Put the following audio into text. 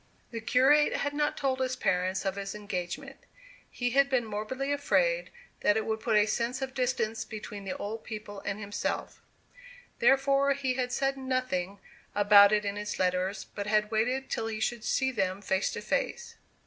The curate had not told his parents of his engagement. He had been morbidly afraid that it would put a sense of distance between the old people and himself. Therefore he had said nothing about it in his letters, but had waited till he should see them face to face.